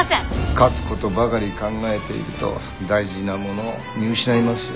勝つことばかり考えていると大事なものを見失いますよ。